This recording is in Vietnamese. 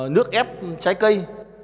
nước ép trái cây